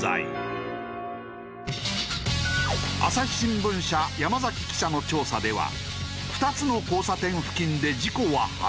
朝日新聞社山記者の調査では２つの交差点付近で事故は８件。